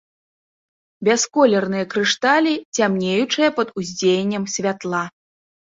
Бясколерныя крышталі, цямнеючыя пад уздзеяннем святла.